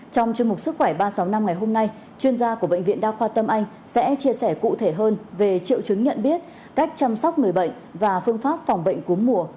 trong chương mục sức khỏe ba trăm sáu mươi năm ngày hôm nay chuyên gia của bệnh viện đa khoa tâm anh sẽ chia sẻ cụ thể hơn về triệu chứng nhận biết cách chăm sóc người bệnh và phương pháp phòng bệnh cúm mùa